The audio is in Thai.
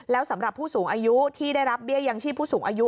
แล้วสำหรับผู้สูงอายุที่ได้รับเบี้ยยังชีพผู้สูงอายุ